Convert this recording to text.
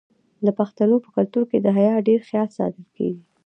د پښتنو په کلتور کې د حیا ډیر خیال ساتل کیږي.